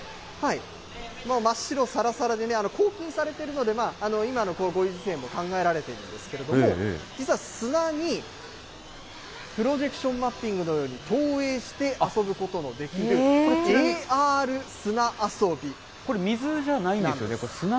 真っ白さらさらでね、抗菌されているので、今のこのご時世も考えられているんですけれども、実は砂に、プロジェクションマッピングのように投影して遊ぶことのできる、これ、ちなみに、ＡＲ砂遊び、。